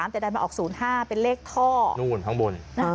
๗๐๐๓แต่ได้มาออก๐๕เป็นเลขท่อนู่นทางบน